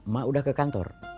mak udah ke kantor